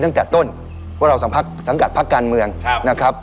ตั้งแต่ต้นว่าเราสังกัดพักการเมืองนะครับ